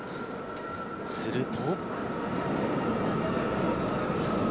すると。